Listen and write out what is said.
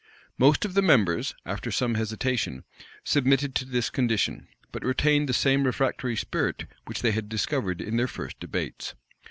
Most of the members, after some hesitation, submitted to this condition; but retained the same refractory spirit which they had discovered in their first debates.